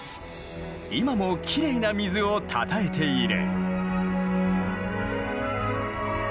今もきれいな水をたたえている。